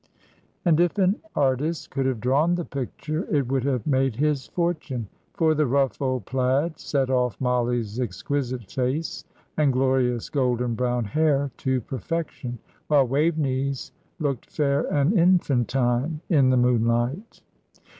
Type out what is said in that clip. And if an artist could have drawn the picture, it would have made his fortune, for the rough old plaid set off Mollie's exquisite face and glorious golden brown hair to perfection, while Waveney's looked fair and infantine in the moonlight.